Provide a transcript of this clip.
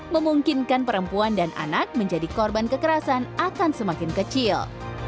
memungkinkan perempuan dan anak menjadi korban kekerasan akan semakin kecil